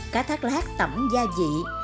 cá thác lát tẩm gia vị